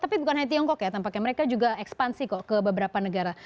tapi bukan hanya tiongkok ya tampaknya mereka juga ekspansi kok ke beberapa negara